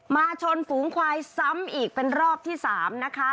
ชนฝูงควายซ้ำอีกเป็นรอบที่๓นะคะ